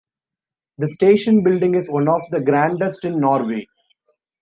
The station building is one of the grandest in Norway.